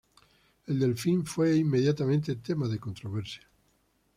El Delfín fue inmediatamente tema de controversia.